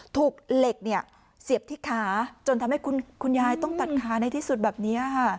ถูกเหล็กเสียบที่ขาจนทำให้คุณยายต้องตัดขาในที่สุดแบบนี้ค่ะ